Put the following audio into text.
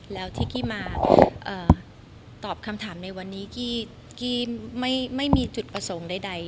แล้วที่กี้มาตอบคำถามในวันนี้กี้ไม่มีจุดประสงค์ใด